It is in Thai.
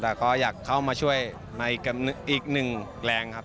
แต่ก็อยากเข้ามาช่วยในอีกหนึ่งแรงครับ